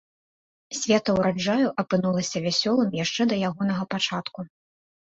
Свята ўраджаю апынулася вясёлым яшчэ да ягонага пачатку.